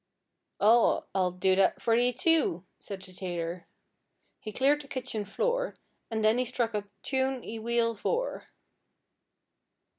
'Aw, I'll do that for thee, too,' said the tailor. He cleared the kitchen floor, and then he struck up 'Tune y wheeyl vooar.'